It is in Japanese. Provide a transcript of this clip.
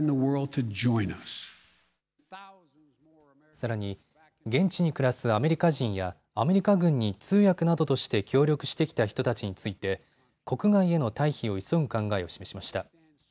さらに現地に暮らすアメリカ人やアメリカ軍に通訳などとして協力してきた人たちについて国外への退避を急ぐ考えを示しました。